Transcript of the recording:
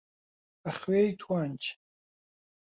بە خوێی توانج